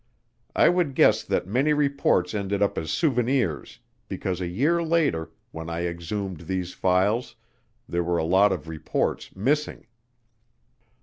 I would guess that many reports ended up as "souvenirs" because a year later, when I exhumed these files, there were a lot of reports missing.